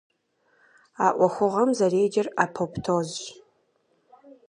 А Ӏуэхугъуэм зэреджэр апоптозщ.